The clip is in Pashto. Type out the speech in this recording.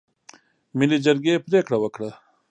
ملي جرګې پرېکړه وکړه.